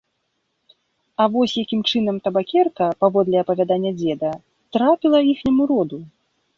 А вось якім чынам табакерка, паводле апавядання дзеда, трапіла іхняму роду.